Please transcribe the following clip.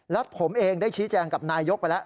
แล้วผมเองได้ชี้แจงกับนายยกไปแล้ว